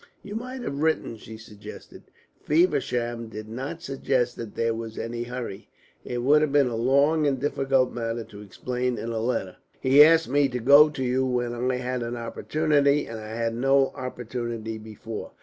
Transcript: "You might have written," she suggested. "Feversham did not suggest that there was any hurry. It would have been a long and difficult matter to explain in a letter. He asked me to go to you when I had an opportunity, and I had no opportunity before.